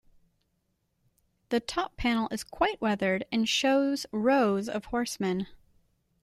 The top panel is quite weathered and shows rows of horsemen.